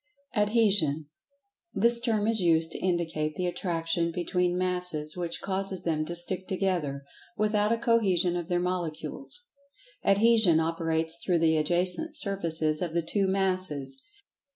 Adhesion: This term is used to indicate the attraction between Masses which causes them to "stick together" without a cohesion of their Molecules. Adhesion operates through the adjacent surfaces of the two Masses.